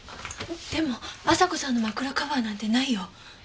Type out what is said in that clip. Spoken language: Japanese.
でも亜沙子さんの枕カバーなんてないよ。